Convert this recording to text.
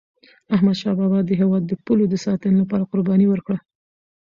احمدشاه بابا د هیواد د پولو د ساتني لپاره قرباني ورکړه.